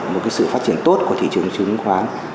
một cái sự phát triển tốt của thị trường chứng khoán